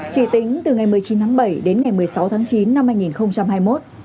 chỉ tính từ ngày một mươi chín tháng bảy đến ngày một mươi sáu tháng chín năm hai nghìn hai mươi một